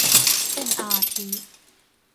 เป็นอาทิ